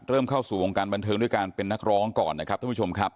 เข้าสู่วงการบันเทิงด้วยการเป็นนักร้องก่อนนะครับท่านผู้ชมครับ